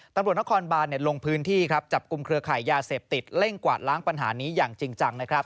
ตำรวจนครบานลงพื้นที่จับกุมเครือไขยาเสพติดเร่งกวาดล้างปัญหานี้อย่างจริงจัง